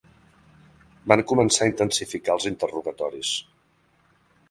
Van començar a intensificar els interrogatoris.